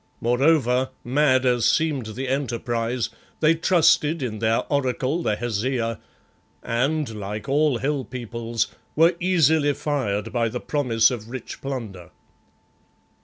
Moreover, mad as seemed the enterprise, they trusted in their Oracle, the Hesea, and, like all hill peoples, were easily fired by the promise of rich plunder.